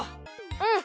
うん！